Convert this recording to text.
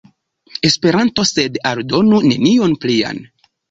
Esperanto, sed aldonu nenion plian.